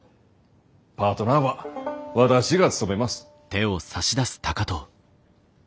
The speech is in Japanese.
パートナーは私が務めます。